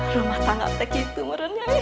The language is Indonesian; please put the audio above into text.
rumah tangga begitu menurutnya